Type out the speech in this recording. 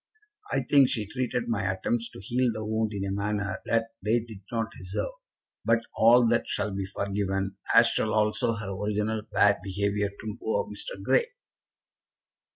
I think she treated my attempts to heal the wound in a manner that they did not deserve; but all that shall be forgiven, as shall also her original bad behaviour to poor Mr. Grey.